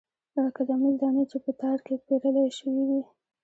لکه د امېل دانې چې پۀ تار کښې پېرلے شوي وي